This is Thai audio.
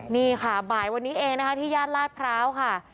นี่ค่ะบ่ายวันนี้เองนะคะที่ย่านลาดพร้าวค่ะ